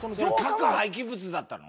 核廃棄物だったの？